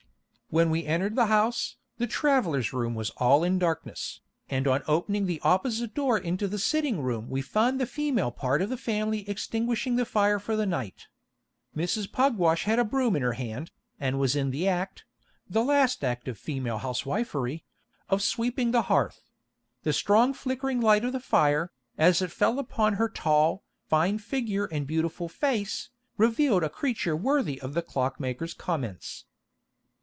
When we entered the house, the travelers' room was all in darkness, and on opening the opposite door into the sitting room we found the female part of the family extinguishing the fire for the night. Mrs. Pugwash had a broom in her hand, and was in the act (the last act of female housewifery) of sweeping the hearth. The strong flickering light of the fire, as it fell upon her tall, fine figure and beautiful face, revealed a creature worthy of the Clockmaker's comments.